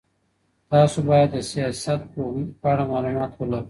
تاسو بايد د سياست پوهني په اړه معلومات ولرئ.